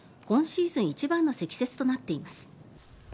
今シーズン一番の積雪となっています。